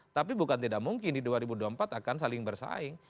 tapi bukan tidak mungkin di dua ribu dua puluh empat akan saling bersaing